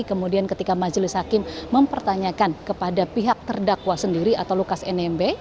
kemudian ketika majelis hakim mempertanyakan kepada pihak terdakwa sendiri atau lukas nmb